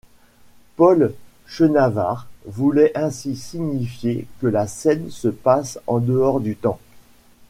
Paul Chenavard voulait ainsi signifier que la scène se passe en dehors du temps.